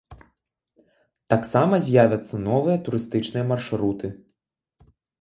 Таксама з'явяцца новыя турыстычныя маршруты.